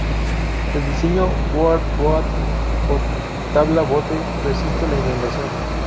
El diseño "board boat", o tabla-bote, resiste la inundación.